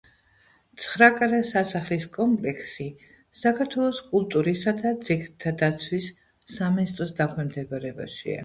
ცხრაკარას სასახლის კომპლექსი საქართველოს კულტურისა და ძეგლთა დაცვის სამინისტროს დაქვემდებარებაშია.